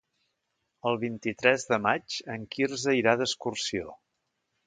El vint-i-tres de maig en Quirze irà d'excursió.